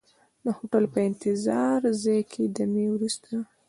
د هوټل په انتظار ځای کې دمې وروسته.